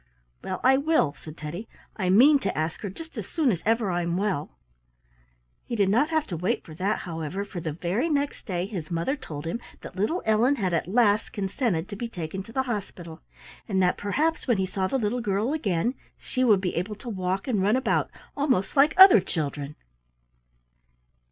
"Well, I will," said Teddy. "I mean to ask her just as soon as ever I'm well." He did not have to wait for that, however, for the very next day his mother told him that little Ellen had at last consented to be taken to the hospital, and that perhaps when he saw the little girl again she would be able to walk and run about almost like other children.